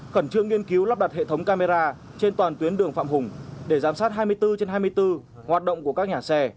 khẩn trương nghiên cứu lắp đặt hệ thống camera trên toàn tuyến đường phạm hùng để giám sát hai mươi bốn trên hai mươi bốn hoạt động của các nhà xe